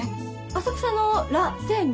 浅草のラ・セーヌ。